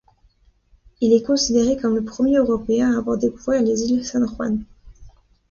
Il est considéré comme le premier européen à avoir découvert les Îles San Juan.